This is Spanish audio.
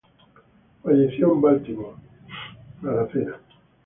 Falleció en Baltimore, Maryland.